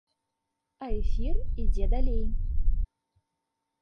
А эфір ідзе далей.